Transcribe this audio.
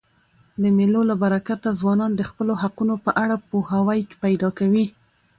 د مېلو له برکته ځوانان د خپلو حقونو په اړه پوهاوی پیدا کوي.